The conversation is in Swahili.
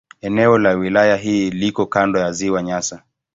Eneo la wilaya hii liko kando la Ziwa Nyasa.